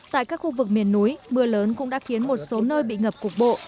tại các khu vực miền núi mưa lớn cũng đã khiến một số nơi bị ngập cục bộ